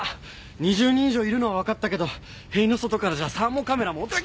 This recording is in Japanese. ２０人以上いるのはわかったけど塀の外からじゃサーモカメラもうっ！